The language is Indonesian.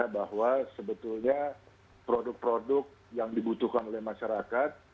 bahwa sebetulnya produk produk yang dibutuhkan oleh masyarakat